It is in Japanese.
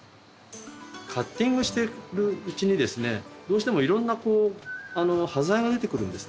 カッティングしてるうちにですねどうしてもいろんなこう端材が出てくるんですね。